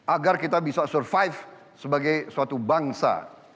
agar kita bisa survive sebagai suatu bangsa